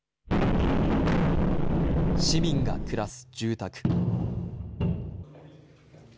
市民が暮らす住宅。